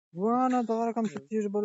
د ودې او تکامل مرحلې او ادبي لرغونتوب